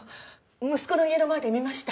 息子の家の前で見ました。